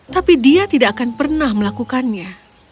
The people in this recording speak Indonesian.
tapi dia tidak akan pernah melakukannya